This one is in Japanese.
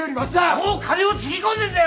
もう金をつぎ込んでんだよ！